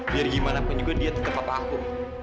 biar gimana pun juga dia tetep papa aku